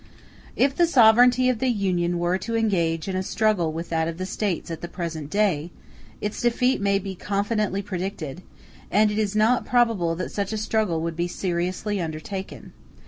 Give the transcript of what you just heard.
If the sovereignty of the Union were to engage in a struggle with that of the States at the present day, its defeat may be confidently predicted; and it is not probable that such a struggle would be seriously undertaken.